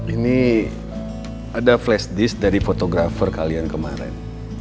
ini ada flash disk dari fotografer kalian kemarin